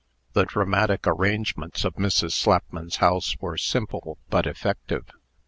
The dramatic arrangements of Mrs. Slapman's house were simple, but effective.